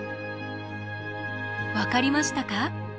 分かりましたか？